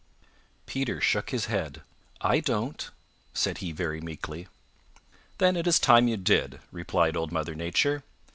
Peter shook his head. "I don't," said he very meekly. "Then it is time you did," replied Old Mother Nature.